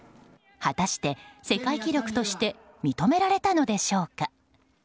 果たして世界記録として認められたのでしょうか。